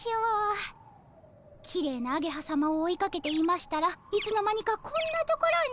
きれいなアゲハさまを追いかけていましたらいつの間にかこんな所に。